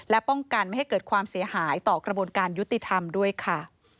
และป้องกันไม่ให้เกิดความเสียหายต่อกระบวนการยุติธรรมด้วยค่ะ